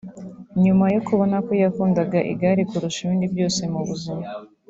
nyuma yo kubona ko yakundaga igare kurusha ibindi byose mu buzima